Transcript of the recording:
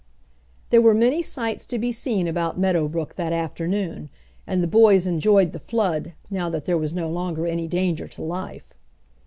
There were many sights to be seen about Meadow Brook that afternoon, and the boys enjoyed the flood, now that there was no longer any danger to life.